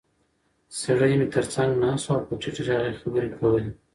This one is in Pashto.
سړی مې تر څنګ ناست و او په ټیټ غږ یې خبرې کولې.